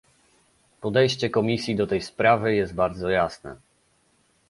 Podejście Komisji do tej sprawy jest bardzo jasne